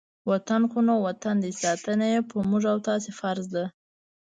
وطن خو نو وطن دی، ساتنه یې په موږ او تاسې فرض ده.